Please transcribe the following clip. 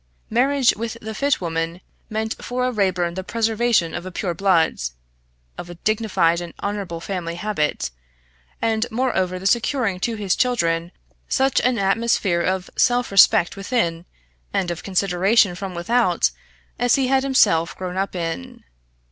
Marriage with the fit woman meant for a Raeburn the preservation of a pure blood, of a dignified and honourable family habit, and moreover the securing to his children such an atmosphere of self respect within, and of consideration from without, as he had himself grown up in.